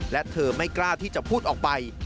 และเธอไม่กล้าที่จะพูดออกไป